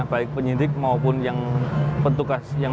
baik penyitik maupun yang